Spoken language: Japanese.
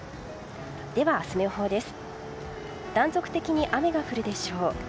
では、明日の予報です。